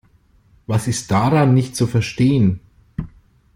Was ist daran nicht zu verstehen?